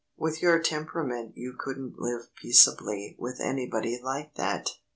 With your temperament you couldn't live peaceably with anybody like that."